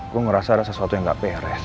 gue ngerasa ada sesuatu yang gak peres